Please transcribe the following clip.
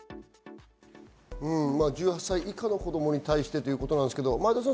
１８歳以下の子供に対してということです、前田さん